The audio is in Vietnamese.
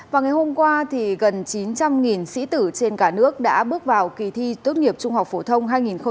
vào ngày hôm qua gần chín trăm linh sĩ tử trên cả nước đã bước vào kỳ thi tốt nghiệp trung học phổ thông hai nghìn hai mươi